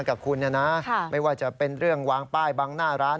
กับคุณนะนะไม่ว่าจะเป็นเรื่องวางป้ายบังหน้าร้าน